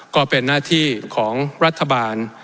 ก็เป็นหน้าที่ของรัฐบาล